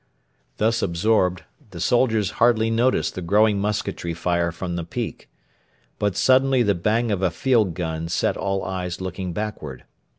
Thus absorbed, the soldiers hardly noticed the growing musketry fire from the peak. But suddenly the bang of a field gun set all eyes looking backward.